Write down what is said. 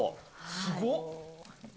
すごっ！